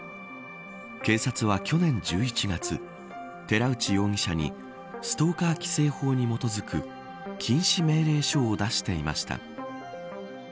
警察は、去年１１月寺内容疑者にストーカー規制法に基づく禁止命令書を出していました。